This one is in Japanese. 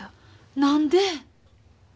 何で？